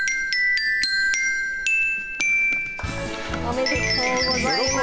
おめでとうございます。